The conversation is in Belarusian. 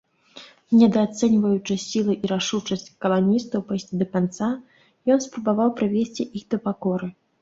Недаацэньваючы сілы і рашучасць каланістаў пайсці да канца, ён спрабаваў прывесці іх да пакоры.